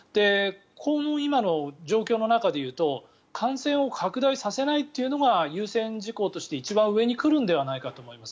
今後今の状況の中で言うと感染を拡大させないというのが優先事項として一番上に来るのではと思います。